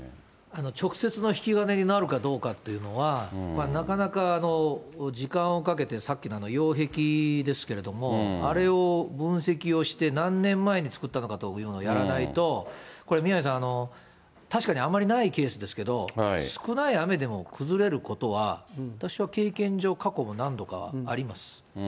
直接の引き金になるかどうかというのは、なかなか時間をかけて、さっきの擁壁ですけれども、あれを分析をして、何年前に作ったのかというのをやらないと、これ、宮根さん、確かにあまりないケースですけど、少ない雨でも崩れることは、私は経験上、過去、何度かあります。